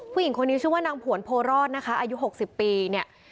ผู้หญิงคนนี้ชื่อว่านางผวนโพรอดนะคะอายุ๖๐ปีเนี่ย